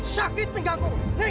sakit pingganku nih